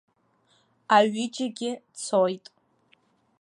Аҩыџьагьы цоит.